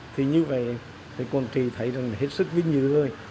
thì như vậy thì quảng trị thấy rằng hết sức vinh dự rồi